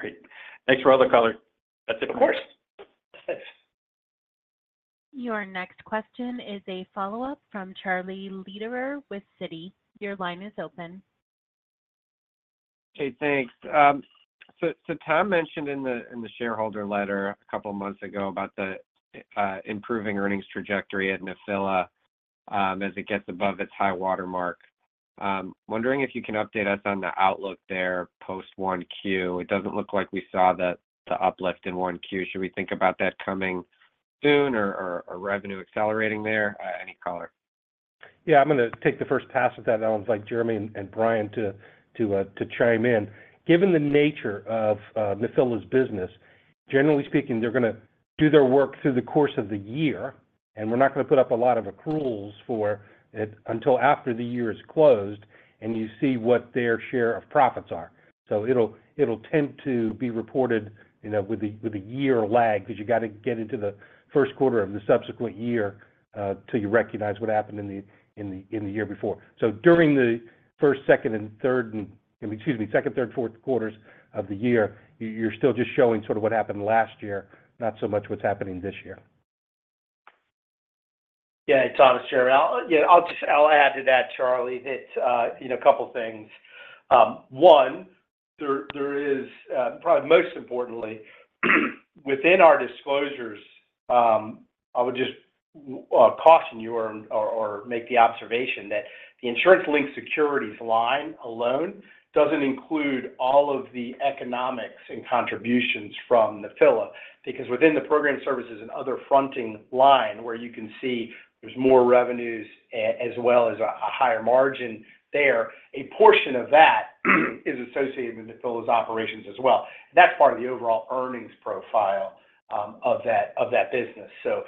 Great. Thanks for all the color. Of course. Thanks. Your next question is a follow-up from Charlie Lederer with Citi. Your line is open. Hey, thanks. So, Tom mentioned in the shareholder letter a couple of months ago about the improving earnings trajectory at Nephila, as it gets above its high water mark. Wondering if you can update us on the outlook there post Q1. It doesn't look like we saw the uplift in Q1. Should we think about that coming soon or revenue accelerating there? Any color. Yeah, I'm going to take the first pass at that, and I'd like Jeremy and Brian to chime in. Given the nature of Nephila's business, generally speaking, they're going to do their work through the course of the year, and we're not going to put up a lot of accruals for it until after the year is closed, and you see what their share of profits are. So it'll tend to be reported, you know, with a year lag because you got to get into the Q1 of the subsequent year till you recognize what happened in the year before. So during the Q2, Q3, Q4s of the year, you're still just showing sort of what happened last year, not so much what's happening this year.... Yeah. [unintelligible] I'll just add to that, Charlie, that you know, a couple things. One, there is probably most importantly, within our disclosures, I would just caution you or make the observation that the insurance-linked securities line alone doesn't include all of the economics and contributions from Nephila. Because within the program services and other fronting line, where you can see there's more revenues as well as a higher margin there, a portion of that is associated with Nephila's operations as well. That's part of the overall earnings profile of that business. So,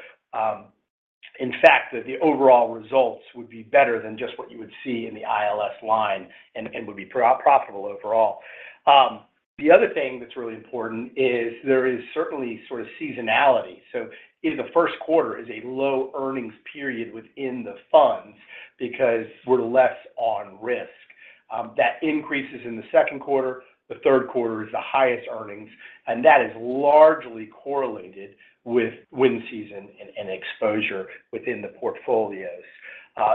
in fact, the overall results would be better than just what you would see in the ILS line and would be profitable overall. The other thing that's really important is there is certainly sort of seasonality. So in the Q1 is a low earnings period within the funds because we're less on risk. That increases in the Q2. The Q3 is the highest earnings, and that is largely correlated with wind season and exposure within the portfolios.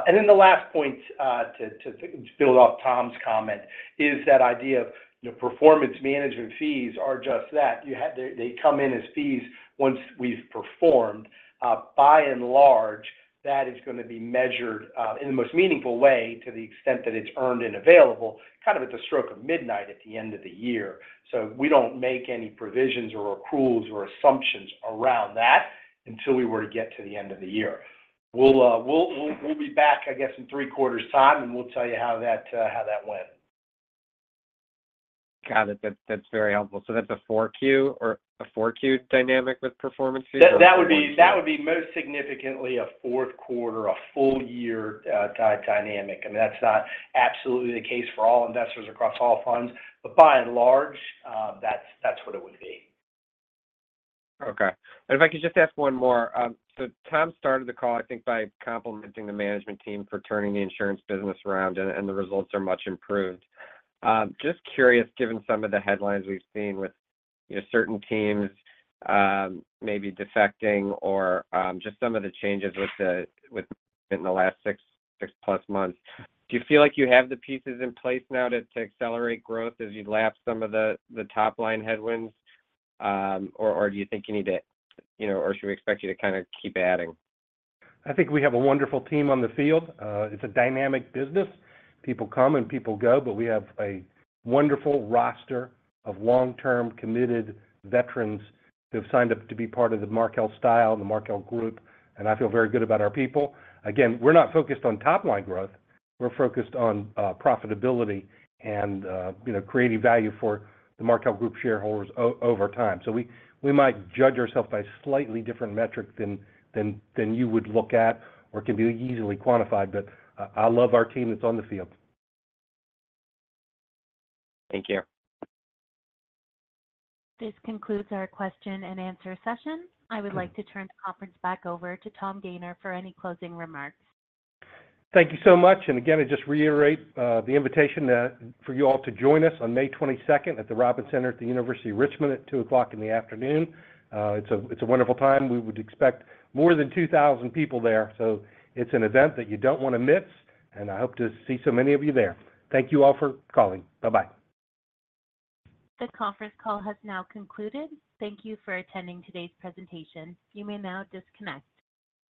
And then the last point to build off Tom's comment is that idea of, you know, performance management fees are just that. You have. They come in as fees once we've performed. By and large, that is gonna be measured in the most meaningful way to the extent that it's earned and available, kind of at the stroke of midnight at the end of the year. So we don't make any provisions or accruals or assumptions around that until we were to get to the end of the year. We'll be back, I guess, in three quarters time, and we'll tell you how that went. Got it. That's, that's very helpful. So that's a Q4 or a Q4 dynamic with performance fees or- That would be, that would be most significantly a Q4, a full year, dynamic. And that's not absolutely the case for all investors across all funds, but by and large, that's, that's what it would be. Okay. And if I could just ask one more. So Tom started the call, I think, by complimenting the management team for turning the insurance business around, and the results are much improved. Just curious, given some of the headlines we've seen with, you know, certain teams, maybe defecting or, just some of the changes with in the last 6+ months, do you feel like you have the pieces in place now to accelerate growth as you lap some of the top-line headwinds? Or do you think you need to, you know, or should we expect you to kind of keep adding? I think we have a wonderful team on the field. It's a dynamic business. People come and people go, but we have a wonderful roster of long-term, committed veterans who have signed up to be part of the Markel style, the Markel Group, and I feel very good about our people. Again, we're not focused on top-line growth, we're focused on profitability and, you know, creating value for the Markel Group shareholders over time. So we might judge ourselves by a slightly different metric than you would look at or can be easily quantified, but I love our team that's on the field. Thank you. This concludes our question and answer session. I would like to turn the conference back over to Tom Gayner for any closing remarks. Thank you so much. And again, I just reiterate the invitation for you all to join us on 22 May at the Robins Center at the University of Richmond at 2:00 P.M. It's a wonderful time. We would expect more than 2,000 people there, so it's an event that you don't wanna miss, and I hope to see so many of you there. Thank you all for calling. Bye-bye. The conference call has now concluded. Thank you for attending today's presentation. You may now disconnect.